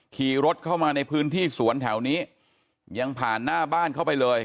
ขี่รถเข้ามาในพื้นที่สวนแถวนี้ยังผ่านหน้าบ้านเข้าไปเลย